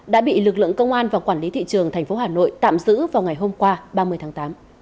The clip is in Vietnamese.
đã bị lực lượng công an và quản lý thị trường tp hà nội tạm giữ vào ngày hôm qua ba mươi tháng tám